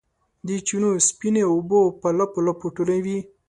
د چینو سپینې اوبه په لپو، لپو ټولوي